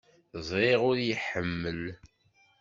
Ẓriɣ ur iyi-iḥemmel.